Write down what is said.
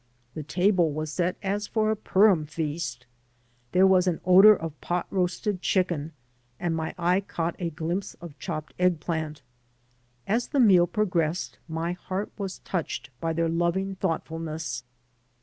The table was set as for a Purim feast. There was an odor of pot roasted chicken, and my eye caught a glimpse of chopped eggplant. As the meal progressed my heart was touched by their loving thoughtfulness.